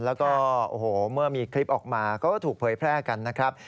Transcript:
แล้วก็โอ้โหเมื่อมีคลิปออกมาก็ถูกเผยแพร่กันนะครับ